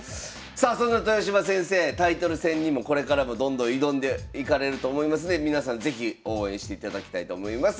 さあそんな豊島先生タイトル戦にもこれからもどんどん挑んでいかれると思いますんで皆さん是非応援していただきたいと思います。